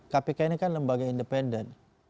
kpk ini kan lembaga independen